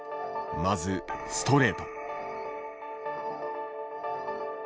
まずストレート。